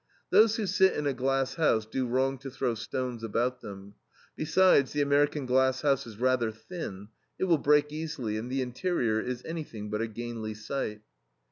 Those who sit in a glass house do wrong to throw stones about them; besides, the American glass house is rather thin, it will break easily, and the interior is anything but a gainly sight.